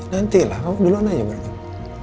nantilah kamu duluan aja bareng bareng